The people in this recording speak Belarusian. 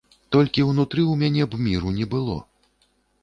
Толькі ўнутры ў мяне б міру не было.